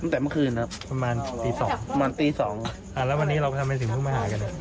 ตั้งแต่เมื่อคืนครับประมาณตีสองประมาณตีสองอ่ะแล้ววันนี้เราทำเป็นสิ่งทุกคนมาหากัน